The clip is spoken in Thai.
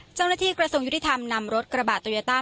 จังหนะธีกระทรงยุทธิธรรมนำรถกระบาดตวยต้า